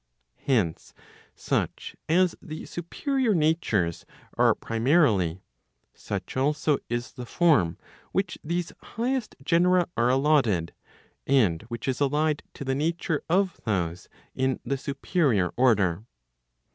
Hence, such as the superior natures are primarily, such also is the form which these highest genera are allotted, and which is allied to the nature of those in the superior order.